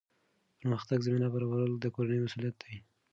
د پرمختګ زمینه برابرول د کورنۍ مسؤلیت دی.